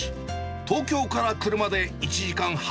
東京から車で１時間半。